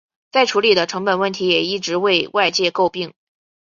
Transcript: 再处理的成本问题也一直为外界诟病。